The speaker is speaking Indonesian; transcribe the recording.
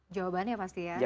jawabannya pasti ya